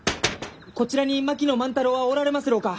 こちらに槙野万太郎はおられますろうか？